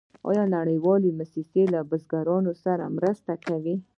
آیا نړیوالې موسسې له بزګرانو سره مرسته کوي؟